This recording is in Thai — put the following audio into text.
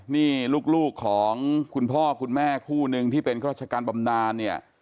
นี่ลูกของคุณพ่อคุณแม่คู่นึงที่เป็นข้าราชการบำนานเนี่ย